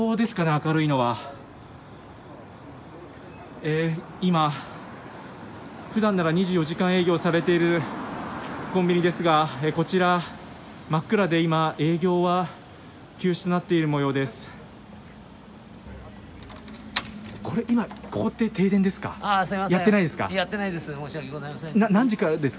明るいのは普段なら２４時間営業されているコンビニですがこちら、真っ暗で今営業は休止となっている模様です。